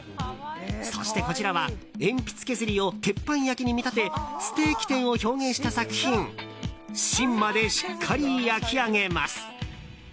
そしてこちらは鉛筆削りを鉄板焼きに見立てステーキ店を表現した作品「芯までしっかり焼き上げます」。